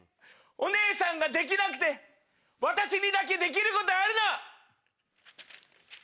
お姉さんができなくて私にだけできることあるの！